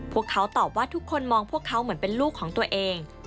พวกเขาตอบว่าทุกคนมองพวกเขาเหมือนเป็นลูกของตัวเอง